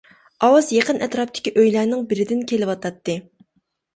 ئاۋاز يېقىن ئەتراپتىكى ئۆيلەرنىڭ بىرىدىن كېلىۋاتاتتى.